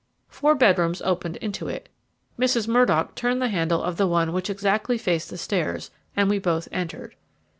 Four bedrooms opened into it. Mrs. Murdock turned the handle of the one which exactly faced the stairs, and we both entered.